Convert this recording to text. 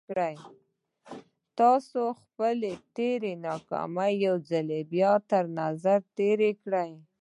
تاسې خپلې تېرې ناکامۍ يو ځل بيا تر نظر تېرې کړئ.